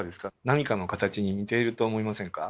何かの形に似ていると思いませんか？